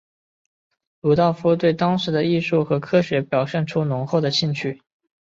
鲁道夫对当时的艺术和科学表现出浓厚的兴趣。